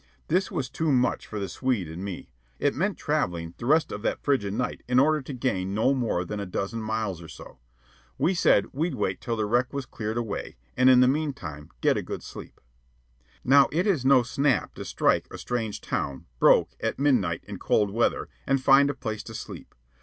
This was too much for the Swede and me. It meant travelling the rest of that frigid night in order to gain no more than a dozen miles or so. We said we'd wait till the wreck was cleared away, and in the meantime get a good sleep. Now it is no snap to strike a strange town, broke, at midnight, in cold weather, and find a place to sleep.